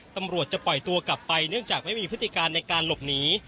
ตำรวจจะปล่อยตัวกลับไปเนื่องจากไม่มีพฤติการในการหลบหนี